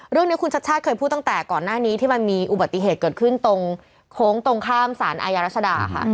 เรื่องนี้คุณชัดชาติเคยพูดตั้งแต่ก่อนหน้านี้ที่มันมีอุบัติเหตุเกิดขึ้นตรงโค้งตรงข้ามสารอายารัชดาค่ะ